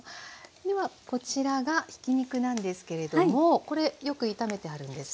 ではこちらがひき肉なんですけれどもこれよく炒めてあるんですが。